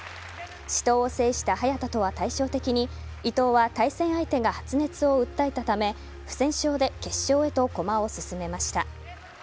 死闘を制した早田とは対照的に伊藤は対戦相手が発熱を訴えたため不戦勝で決勝へと駒を進めました。